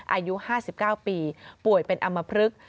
อายุ๕๙ปีป่วยเป็นอำมพลึก